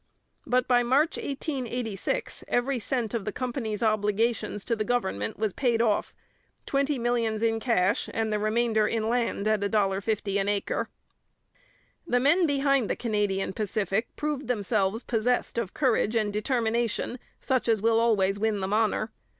But by March 1886 every cent of the company's obligations to the government was paid off, twenty millions in cash and the remainder in land at $1.50 an acre. The men behind the Canadian Pacific proved themselves possessed of courage and determination such as will always win them honour.